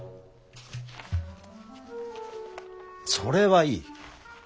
それはいい。